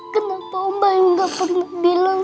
kenapa mbak yang gak pernah bilang